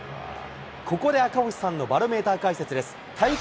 ここで赤星さんのバロメーター解説です。